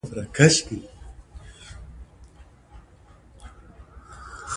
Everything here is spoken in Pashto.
نسج اوس څېړل شوی دی.